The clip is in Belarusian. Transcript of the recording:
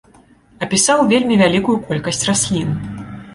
Апісаў вельмі вялікую колькасць раслін.